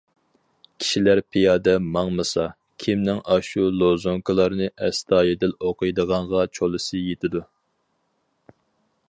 كىشىلەر پىيادە ماڭمىسا، كىمنىڭ ئاشۇ لوزۇنكىلارنى ئەستايىدىل ئوقۇيدىغانغا چولىسى يېتىدۇ.